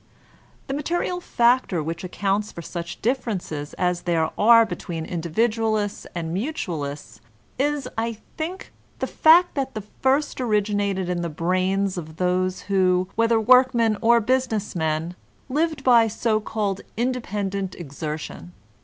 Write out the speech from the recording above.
The material factor which accounts for such differ ences as there are between Individualists and Mutual ists, is, I think, the fact that the first originated in the brains of those who, whether workmen or business men, lived by so called independent exertion.